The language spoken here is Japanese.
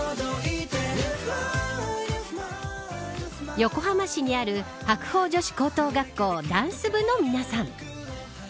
横浜市にある白鵬女子高等学校ダンス部の皆さん。